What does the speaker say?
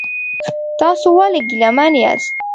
تاسو ولې ګیلمن یاست؟